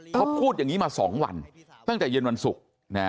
เขาพูดอย่างนี้มา๒วันตั้งแต่เย็นวันศุกร์